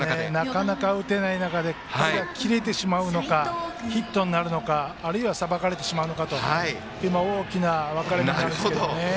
なかなか打てない中で切れてしまうのかヒットになるのかあるいは、さばかれるのかで大きな分かれ目なんですけどね。